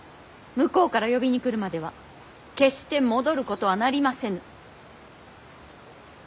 向こうから呼びに来るまでは決して戻ることはなりませぬ。